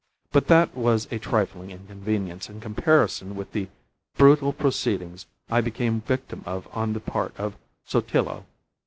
But that was a trifling inconvenience in comparison with the brutal proceedings I became victim of on the part of Sotillo.